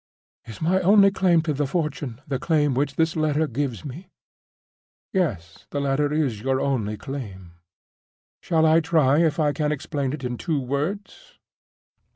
"Is my only claim to the fortune the claim which this letter gives me?" "Yes; the letter is your only claim. Shall I try if I can explain it in two words?